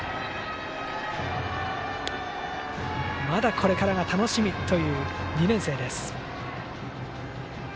まだこれからが楽しみという２年生。